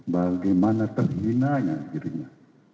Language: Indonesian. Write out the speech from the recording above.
bagaimana terhinanya dirinya